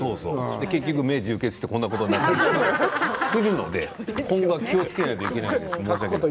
結局、目が充血してこんなことになるということもあるので今後気をつけないといけないです。